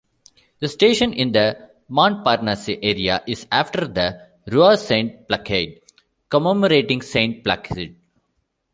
The station, in the Montparnasse area, is after the "Rue Saint-Placide", commemorating Saint Placid.